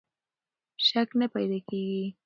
شک نه پیدا کېږي.